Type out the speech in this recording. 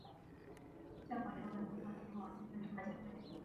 恰卡原为穆特提瓦军队中的前卫。